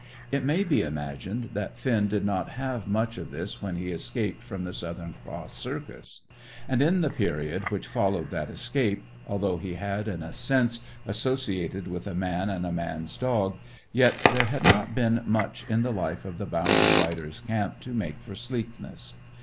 It may be imagined that Finn did not have much of this when he escaped from the Southern Cross Circus. And in the period which followed that escape, although he had, in a sense, associated with a man and a man's dog, yet there had not been much in the life of the boundary rider's camp to make for sleekness.